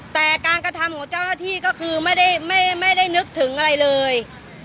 แต่การกระทำของเจ้าหน้าที่ก็คือไม่ได้นึกถึงอะไรเลย